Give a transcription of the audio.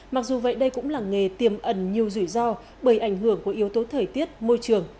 mặc dù vậy đây cũng là nghề tiềm ẩn nhiều rủi ro bởi ảnh hưởng của yếu tố thời tiết môi trường